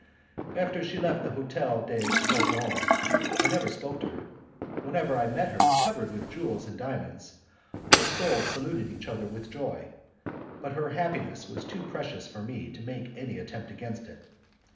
After she left the Hotel de Bourgogne, I never spoke to her. Whenever I met her covered with jewels and diamonds, our souls saluted each other with joy, but her happiness was too precious for me to make any attempt against it.